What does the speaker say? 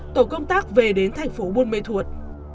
tổ công tác về đến thành phố buôn mê thuột